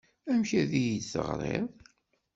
Amek ay iyi-d-teɣriḍ?